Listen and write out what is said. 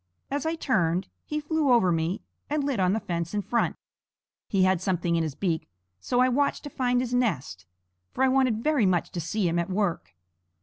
As I turned, he flew over me and lit on the fence in front. He had something in his beak; so I watched to find his nest; for I wanted very much to see him at work.